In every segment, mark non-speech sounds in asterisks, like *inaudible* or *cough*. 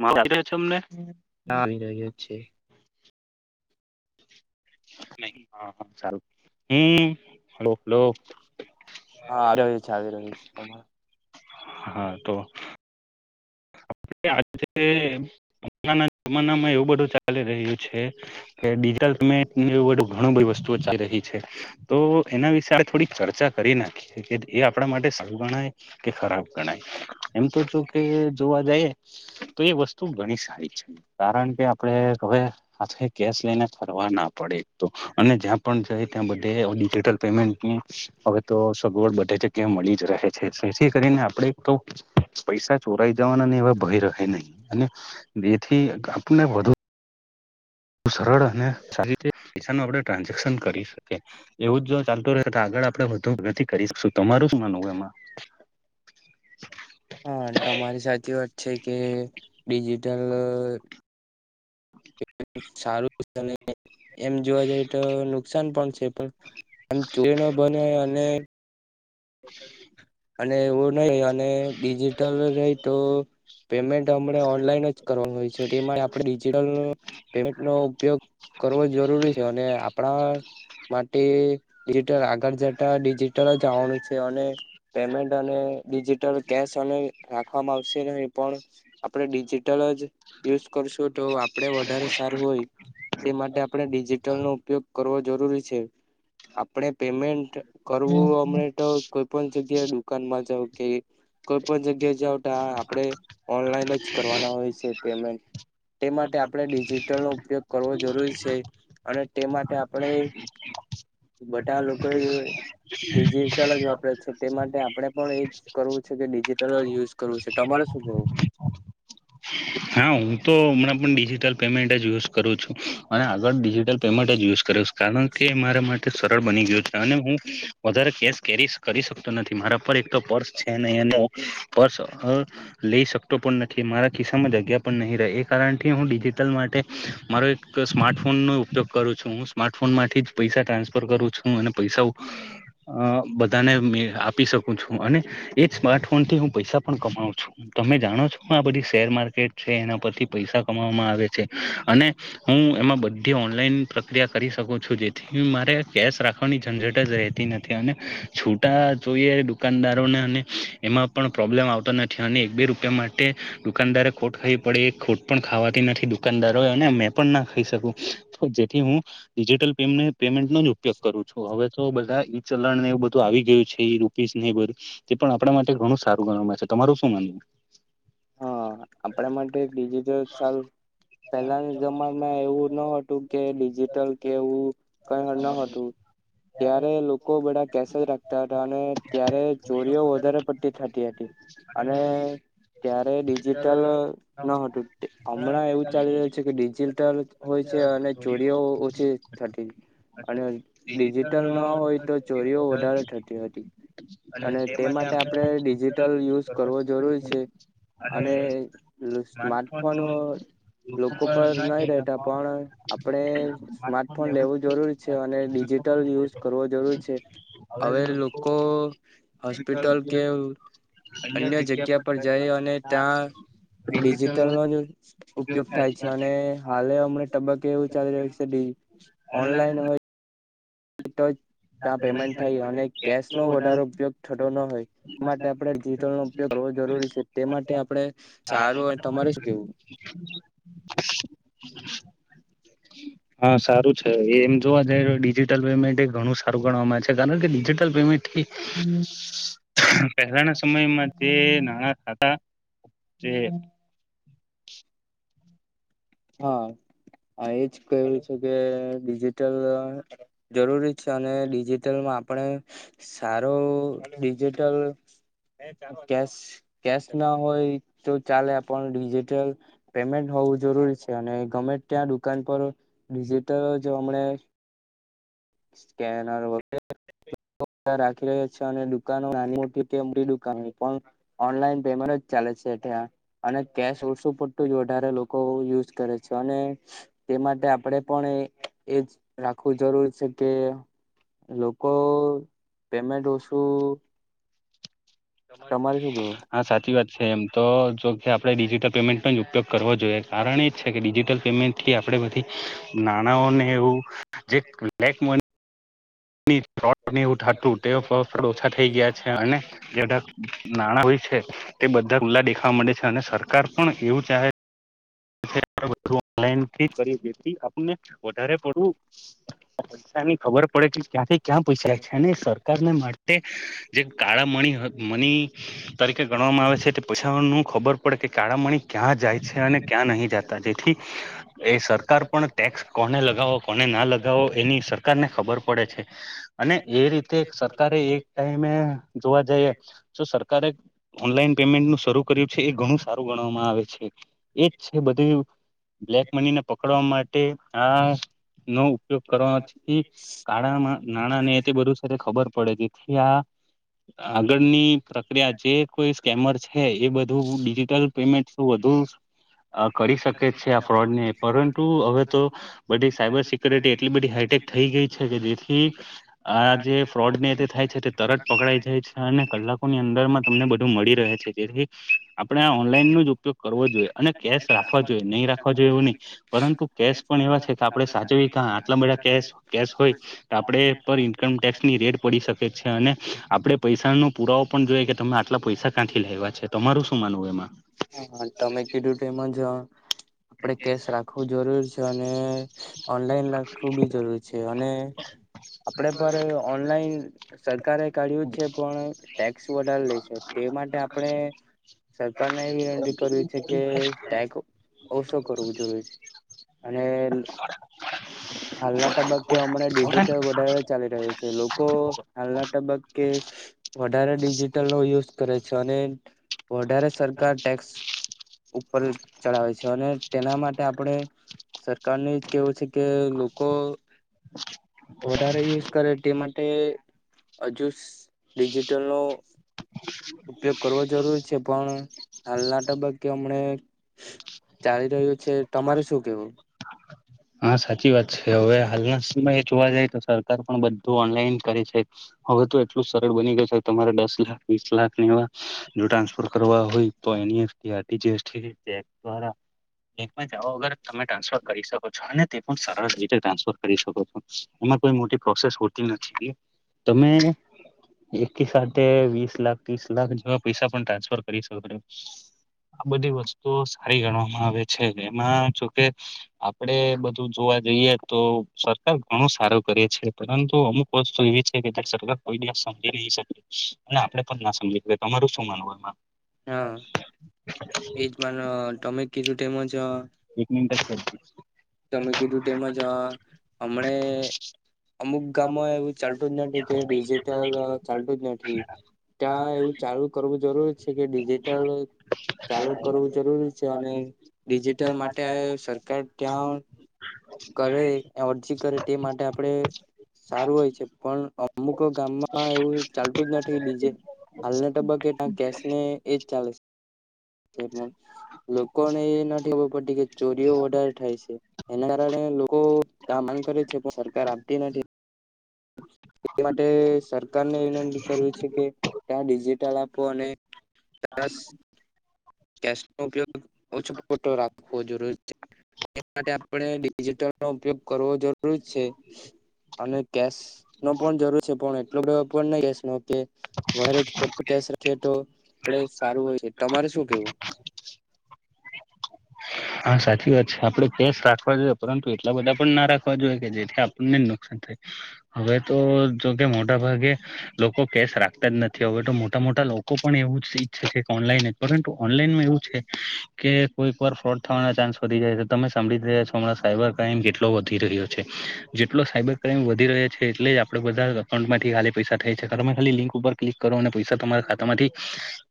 મારો *unintelligible* છે અમને. હા આવી રહ્યો છે. નઈ હા હા સારુ હે હલો હલો. હા આવી રહ્યું છે આવી રહ્યું છે તમારુ. હા તો. કે આજેના પહેલા નાજમાનામાં એવું બધું ચાલી રહ્યું છે કે ડી ડિજિટલ પેમેન્ટ ને એવું બધું ઘણી બધી વસ્તુઓ ચાલી રહી છે તો એના વિશે આપણે થોડી ચર્ચા કરીને. એ આપણા માટે સારું ગણાય કે ખરાબ ગણાય એમ તો જો કે જોવા જઈએ. *inaudible* તો એ વસ્તુ ઘણી સારી છે કારણ કે આપડે હવે હાથે કેશ લઈને ફરવા ના પડ પે તો અને જ્યાં પણ જાય ત્યાં બધેડિજિટલ પેમેન્ટની હવે તો સગવડ બધે જ જેમ મલીજ રહે છે જેથી કરીને આપણેે તો પૈસા ચોરાઈ જવાના ને હવે ભય રહે નહી અને જેથી આપને વધુ બહું સરળ અને સારી રીતે પૈસા ન આપડે ટ્રાન્ઝેક્શન કરી શકીએ એવું જ જો ચાલતું રહે તો આગળ આગળ આપડે વધુ નથી કરી શકશું તમારું જ માનવું એમાં. હા તમારી સાચી વાત છે કે ડિજિટલ આ એમ સારું એમ જોવા જઈ તો નુકસાન પણ છે પણ આમ ચૂરી ન બને અને *inaudible* અને એવું નહી અને ડિજિટલ રે તો પેમેન્ટ અમને ઓનલાઈન જ કરવાનું હોય છે તેમાટે આપણે ડિજિટલ પેમેન્ટનો ઉપયોગ કરવો જરૂરી છે અને આપડા માટે ડિજિટલ આગળ જતા ડિજિટલ જ આવવાનું છે અને પેમેન્ટ અને ડિજિટલ કેશ અને રાખવામાં આવશે નહી પણ આપડે ડિજિટલ યુઝ કરશું તો આપડે વધારે સારું હોય તે માટે આ પણે ડિજીિટલનો ઉપયોગ કરવો જરૂરી છે. આપડે પેમેન્ટ કરવું અમને તો કોઈ પણ જગ્યાએ દુકાનમાં જાવ કે કોઈ પણ જગ્યા જાવ તો આપડે ઓનલાઈન જ કરવાના હોય છે પેમેન્ટ તે માટે આપડે ડિજિટલનો ઉપયોગ કરવો જરૂરી છે અને તે માટે આપડે બધા લોકો એ ડિજીટલ જ વાપરે છે એ માટે આપડે પણ એજ કરવું છે કે ડિજિટલ જ યુઝ કરવું છે તમારે શું કેવું? હા હું તો હમણાં પણ ડિજિટલ પેમેન્ટ જ યુઝ કરું છું અને આગળ ડિજિટલ પેમેન્ટ જ યુઝ કરું છું કારણ કે મારા મા ટે સરળ બની ગયું છે અને હું વધારે કેશ કેરી કરી શકતો નથી મારા પર એક તો પર્સ છે. લઈ શકતો પણ નથી મારા ખિસ્સામાં જગ્યા પણ નહીં રહે એ કારણ કે હું ડિજિટલ માટે મારો એક સ્માર્ટફોન નો ઉપયોગ કરું છું હું સ્માર્ટફોન થી જ પૈસા ટ્રા સફર કરું છું અને પૈસા બધાને આપી શકું છું અને એજ સ્માર્ટ ફોનથી હું પૈસા પણ કમાવું છું તમે જાણો છો આ બધી શેર માર્કેટ છે એના પરથી પૈસા કમવામાં આવે છે અને હું એમાં બધી ઓનલાઈ પ્રક્રિયા કરી શકું છું જેથી હું મારે કેશ રાખવાની ઝંઝટ જ રહેતી નથી અને છૂટા જોઈએ દુકાનદારોને અને એમાં પણ પ્રોબ્લેમ આવતા નથી અને એક બે રૂપિયા મા ટે દુકાનદારે ખોટ ખવી પડી ખોટ પણ ખાવાતી નથી દુકાનદારોને મેં પણ ના ખાઈ શકું જેથી હું ડિજિટલ પેમેન્ટ પેમેન્ટનો જ ઉપયોગ કરું છું હવે તો બધા ઈ ચલણ ને એવું બધું આવી ગયું છે રૂપીઝ ને બધ તે પણ આપણા માટે ઘણું સારું ગણવામાં છે તમારું શું માનવું? હા આપડા માટે ડિજિટલ સારું પહેલાના જમાનામાં એવું ન હતું કે ડિજિટલ કે એવું કઈ ન હતું ત્યારે લોકો બધા કેસે જ રાખતા હતા અને ત્યારે ચોરીઓ વધારે પટ્ટતી થતી હતી અને ત્યારે ડિ જીટલ ન હતું હમણાં એવું ચાલી રહ્યું છે કે ડિજિટલ હોય છે અને ચોરી ઓ ઓછી થતી અને ડિજિટલ ના હોય તો ચોરીઓ વધારે થતી હતી અને તે માટે આપડે ડિજિટલ યુઝ કરવો જરૂરી છે અને સ્માર્ટફોન લોકો પર નહી રહેતા પણ આપડે સ્માર્ટફોન લેવું જરૂરી છે અને ડીજ ડિજિટલ યુઝ કરવો જરૂર છે હવે લોકો હોસ્પિટલ કે અન્ય જગ્યા પર જાય અને હા ત્યાં ડિજિટલનો જ ઉપયોગ થાય છે અને હાલે અમણા તબક્કે એવું ચાલી રહ્યું છે ઓનલાઈન હોય તો ત્યાં પેમેન્ટ થાય અને કેશ નો વધારે ઉપયોગ થતો ન હોય માટે આપડે ડિજિટલ નો ઉપયોગ કરવો જરૂરી છે તે માટે આપડે સારું હોય તમારે શું કેવું? *inaudible* હા સારું છે એમ જોવા જઈ ડિજિટલ પેમેન્ટ ઘણું સા રું ગણવામાં છે કારણ કે ડિજિટલ પેમેન્ટ કેવું? પહેલાના સમયમાં જે નાણા હતા જે હા હ એજ ક્યું છે કે ડિજિટલ જરૂરી છે અને ડિજિટલમાં આપણે સારો ડિજિટલ કે કેશ ના હોય તો ચાલે આપ ડિજિટલ પેમેન્ટ હોવું જરૂરી છે અને ગમે ત્યાં દુકાન પર ડિજિટલ જો હમણે સ્કનર વગ *unintelligible* રાખી રહ્યા છે અને દુકાનો નાની મો કેટી દુકાનો પણ ઓનલાઈન પેમેન્ટ જ ચાલે પતું વધારે લોકો યુઝ કરે છે માટે આપડે પણ એ એજ રાખવું જરૂર છે કે લોકો પેમેન્ટ ઓછું તમારે શું કેવું હા સાચી વાત છે એમ તો જો કે આપણે ડિજિટલ પેમેન્ટનો જ ઉપયોગ કરવો જોઈએ કારણ એ જ છે કે ડિજિટલ પેમેન્ટથી આપણે બધી નાણાઓને એવું જે લક મની હતું તે ઓછા થઈ ગયા છે અને જે નાણાં હોય છે તે બધા ખુલ્લા દેખવા મળે છે અને સરકાર પણ એવું ચાહે થી કરી જેથી આપને વધારે પડવું ની ખબર પડે એટલે ક્યાં થી ક્યાં પૈસાાય છે અને સરકારને માટે હા જે કાળા મણી મની તરીકે ગણવામાં આવે છે પૈસા ન ખબર પડે કે કાળામણી ક્યાં જાય છે અને ત્યાં નહી જતા જેથી એ સરકાર પણ ટેક્સ કોને લગાવો કોને ના લગાવો એની સરકાર ને ખબર પડે છે અને એ રીતે સરકારે એક ટાઈમે જોવા જઈએ જો સરકારે ઓનલાઈન પેમેન્ટ ન શરૂ કર્યું છે એ ઘણું સારું ગણવામાં આવે છે એજ છે બધું બ્લેક મની ને પકડવા માટે હ નો ઉપયોગ કરવાથી કાળામાં નાણાં ને તે બધું ખબર પડે તથી આ આગળની પ્રક્રિયા જે કોઈ સ્કેમર છે એ બધું ડિજિટલ પેમેન્ટ શ વધુ કરી શકે છે આ ફ્રોડ ને પરંતુ હવે તો બધી સાયબર સિક્યુરિટી એટલી બધી હાઈટેક થઈ ગઈ છે કે જેથી આ જે ફ્રોડ ને તે થાય છે તે તરત પકડાઈ જાય છે અને કલાકો ની અંદર મા તમને બુંધુ મળી રહે જેથી આપણે ઓનલાઈન નો જ ઉપયોગ કરવો જોઈએ અને કેસ રાખવા જોઈએ નહીં રાખવા જોઈએ એવું નહી પરંતુ કેશ પણ એવા છે કે આપડે સાજવી આટલા બધા કેશ હો તો આપ ઇનકમટેક્સની રેટ પડી શકે છે અને આપે પૈસા ન પૂરા તો પણ જોઈએ કે તમે આટલા પૈસા કાંઠી લેવા છે તમારું શું માનવું એમાં હાાતમે કેટું તેમ જ આપણેે કેશ રાખવું જરૂર છે અને ઓનલાઈન રાખવું બી જરૂર છે અને આપડે પર ઓનલાઈન સરકારે કાઢ્યું જ છે પણ ટેક્સ વધારે લે છે તે માટે આપણે સરકારને એવી વિનંતી કરવી છે કે ઓસો કરવું જરૂરી છે અને *inaudible* હાલના તબક્કે હમણાં ડિજિટલ વધારે ચાલી રહ્યું છે લોકો હાલના તબક્કે વધારે ડિજિટલ નો યુઝ કરે છે અને વધારે સરકાર ટેક્સ ઉપર ચડાવેે છે અને તેના માટે આપણે સરકારને જ કેવું છે કે લોકો વધારે યુઝ કરે તે માટે હજુ ડિજિટલ નો ઉપયોગ કરવો જરૂરી છે પણ હાલના તબક્કે હમને ચાલી રહ્યું છે તમારે શું કેવું હા સાચી વાત છે હવે હાલના સમય જોવા જાય તો સરકાર પણ બધું ઓનલાઈન કરે છે હવે તો એટલું સરળ બની ગયું છે તમારે દસ લાખ વીસ લાખ એવા ટ્રાન્સફર કરવા હોય તો *unintelligible* બેંકમાં જવા વગર તમે ટ્રાન્સફર કરી શકો છો અને તે પણ સરસ રીતે ટ્રાન્સફર કરી શકો છો એમાં કોઈ મોટી પ્રોસેસતી હોતી નથી તમે એક સાથે વિસ લાખ ત્રીસ લાખ જેવા પૈસા પણ ટ્રાન્સફર કરી શકો આ બધી વસ્તુઓ સારી ગણવામાં આવે છે એમાં જોકે આપડે બધું જોવા જોઈએ તો સરકાર ઘણું સારું કરે છે પરંતુ અમુક વસ્તુ એવી છે કે સરકાર કોઈ સમજી નહી શકે અને આપડે પણ ના સમજી તમારું શું માનવું એમાં હા એજ માનવું તમે કીધુ તેમજ એક મિનિટ જ કરજે. તમે કીધું તેમજ હમણે અમુક ગામો એવું ચાલતું જ નથી કે ડિજિટલ ચાલતું જ નથી ત્યા એવું ચાલુ કરવું જરૂરી છે કે ડિજિટલ ચાલુ કરવું જરૂરી છે અને ડિજિટલ માટે સરકાર ત્યાં કરે અરજી કરે તે માટે આપણે સારું હોય છે પણ અમુક ગામમાં એવું ચાલતું જ નથી ડીજે હાલના તબક્કેટ કેશ ને એજ ચાલે પણ લોકોને એ નથી ખબર પડતી કે ચોરીઓ વધારે થાય છે એના કારણે લોકો આ માંગ કરે છે પણ સરકાર આપતી નથી એ માટે સરકારને વિનંતી કરવી છે કે ત્યાં ડિજિટલ આપો અને સરસ કેસ નો ઉપયોગ ઓછોપૂરતો રાખવો જરૂરી છે એ માટે આપણે ડિજિટલ નો ઉપયોગ કરવો જરૂર છે અને કેશ નો પણ જરૂર છે પણ એટલો બધો પણ કેસનો કે વધારે જ પડતો કેસ રાખી તો આપ સારું હોય છે તમારે શું કેવું હા સાચી વાત છે આપડે કેસ રાખવા જોઈએ પરંતુ એટલા બધા પણ ના રાખવા જોઈએ કે જેથી આપણને નુકસાન થાય હવે તો જોકે મોટા ભાગે લોકો કેસ રાખતા જ નથી હવે તો મોટા મોટા લોકો પણ એવું જ ઈચ્છે છે કે ઓનલાઈન જ પરંતુ ઓનલાઈનમાં એવું છે કે કોઈક વાર ફ્રોડ થવાના ચાન્સ વધી જાય છે તમે સાંભળી રહ્યા છો હમણાં સાયબર ક્રાઈમ જેટલો વધી રહ્યો છે જેટલો સાયબર વધી રહ્યા છે એટલે જ આપણે બધા અકાઉન્ટ માંથી ખાલી પૈસા થાય છે ઘરમાં ખાલી લિંક ઉપર ક્લિક કરો અને પૈસા તમારા ખાતામાંથી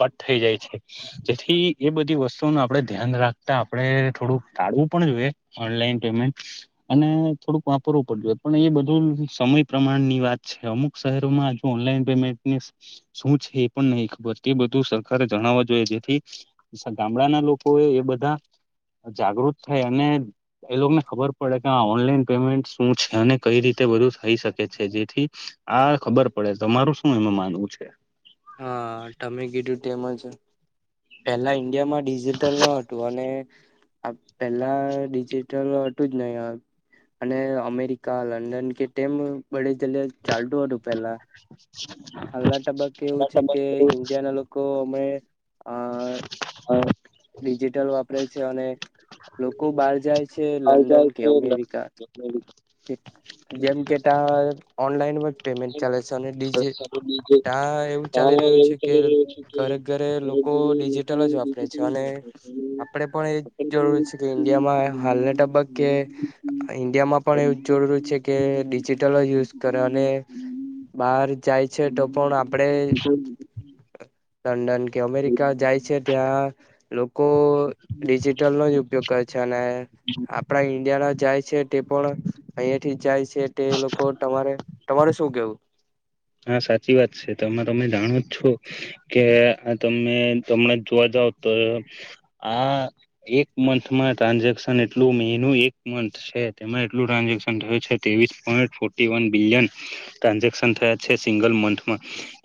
કટ થઈ જાય છે જેથી એ બધી વસ્તુ ન આપડે ધ્યાન રાખ આપડે થોડુંક ટાળવું પણ જોઈએ ઓનલાઈન પેમેન્ટ અને થોડુંક વાપરવું પડ જોએ પણ એ બધું સમય પ્રમાણની વાત છે અમુક શહેરોમાંજુ ઓનલાઈન પેમેન્ટ શું એ પણ નહી ખબર તે બધું સરકારે જણાવવા જોઈએ જેથી ગામડાના લોકોએ એ બધા જાગૃત થાય અને એ લોકોને ખબર પડે કે આ ઓનલાઈન પેમેન્ટ શું છે અને કઈ રીતે બધું થઈ શકે છે જેથી હા ખબર પડે તમારું શું એમાં માનવું છે હા તમે કીધું તેમજ પેલા ઈન્ડિયામાં ડિજિટલ ન હતું અને આ પેલા ડિજિટલ હતું જ નહીિ અને અમેરિકા લંડન કે તેમ બડે ચાલતું હતું પેલા હાલના તબક્કે એવું છે કે ઈન્ડિયા ના લોકો અમે અ હ ડિજિટલ વાપરે છે અને લોકો બહાર જાય છે લંડન કે અમેરિકા જેમ કે ટ ઓનલાઈનમાં પેમેન્ટ ચાલે છે અને એવું ચાલી રહ્યું છે કે ઘરે ઘરે લોકો ડિજિટલ જ વાપરે છે અને આપણે પણ એ જરૂરી છે કે ઇન્ડિયામાં હાલ તબક્કે ઇન્ડિયામાં પણ એવું જરૂરરી છે કે ડિજિટલ જ યુઝ કરે અને બહાર જાય છે તો પણ આપડે લંડન કે અમેરિકા જાય છે ત્યાં લોકો ડિજિટલનો જ ઉપયોગ કરે છે અને આપડા ઈન્ડિયા ના જાય છે પણ અહિયા થી જાય છે તે લોકો તમારે તમારે શું કેવું હા સાચી વાત છે તોમાં તમે જાણો જ છો કે આ તમે તમને જોવા જાવ તો આ એક મંથમાં ટ્રાન્ઝેક્શન એટલું મહિનું એક મંથ છે તેમાં એટલું ટ્રાન્ઝેક્શન થયું છે ત્રેવીસ point forty one billion transaction થયા હતા છે સિંગલ મંથમાં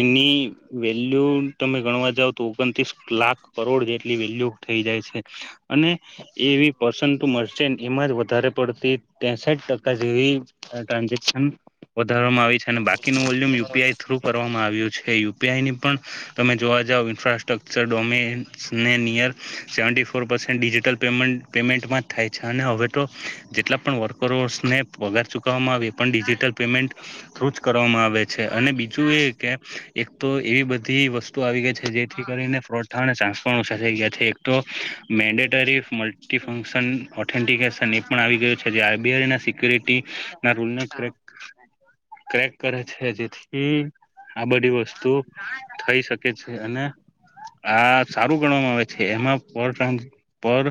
એની વેલ્યુ તમે ગણવા જાવ તો ઓગણત્રીસ લાખ કરોડ જેટલી વેલ્યુ થઈ જાય છે અને એવી પસુ મર્ચન્ટ એમાં વધારે પડતી તેસઠ ટકા જેવી ટ્રાન્ઝેક્શન વધારવામાં આવી છે નું વોલ્યુમ યુપીઆઈ થ્રુ કરવામાં આવ્યું છે ય આઈની પણ તમે જોવા જાવ ઇન્ફ્રાસ્ટ્રક્ચર ડોમન્સને નિયર સેવન્ટી ફોર પ ટલ પેમેન્ટમાં થાય છે અને હવે તો જેટલા પણ વર્કરોને પગાર ચૂ- -કવામાં આવે પણ ડિજિટલ પેમેન્ટ થ્રુ કરવામાં આવે છે અને બીજું એ કે એક તો એવી બધી બધી વસ્તુ આવી ગઈ છે જેથી કરીને ફ્રોડ થવા અને ચ્રાન્સફ ઓછા થઈ ગયા છે એક તો મેન્ડેટરી મલ્ટીફંક્શન ઓથેન્ટિકેશન એ પણ આવી ગયું છે જે બિહારીના સિક્યુરિટી ના રૂલ ને ક્રેક કરે છે જેથી આ બધી વસ્તુ થઈ શકે છે અને આ સારું ગણવામાં આવે છે એમાં ટ